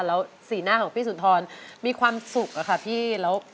แล้วสีหน้าของพี่สุนทรมีความสุขอะค่ะพี่แล้ว